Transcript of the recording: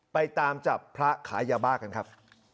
ไปตามจับพระขายยาบ้ากันครับ